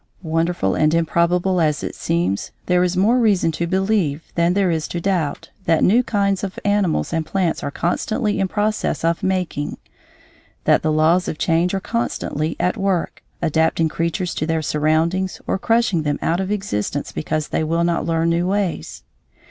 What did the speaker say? Wonderful and improbable as it seems, there is more reason to believe than there is to doubt that new kinds of animals and plants are constantly in process of making; that the laws of change are constantly at work, adapting creatures to their surroundings or crushing them out of existence because they will not learn new ways.